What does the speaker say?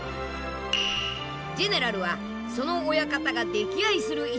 ジェネラルはその親方が溺愛する一番弟子。